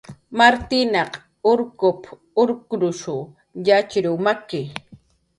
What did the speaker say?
"Martinaq urkup"" urkrushu yatxir maki"